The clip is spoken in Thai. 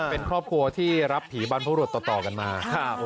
เป็นครอบครัวที่รับผีบรรพบรุษต่อกันมา